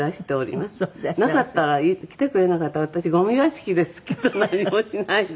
なかったら来てくれなかったら私ゴミ屋敷ですきっと何もしないで。